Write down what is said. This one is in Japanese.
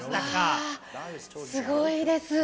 うわ、すごいです！